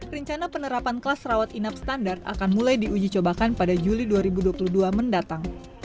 rencana penerapan kelas rawat inap standar akan mulai diuji cobakan pada juli dua ribu dua puluh dua mendatang